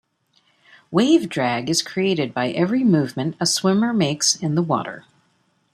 Wave drag is created by every movement a swimmer makes in the water.